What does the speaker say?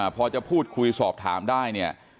พอจะพูดคุยสอบถามได้